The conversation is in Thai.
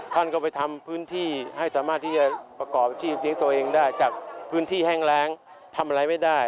ท่านก็ไปทำพื้นที่ให้สามารถที่จะประกอบอาชีพเลี้ยงตัวเองได้จากพื้นที่แห้งแรงทำอะไรไม่ได้